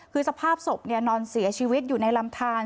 คือสภาพศพนอนเสียชีวิตอยู่ในลำทาน